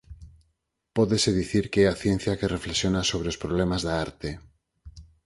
Pódese dicir que é a ciencia que reflexiona sobre os problemas da arte.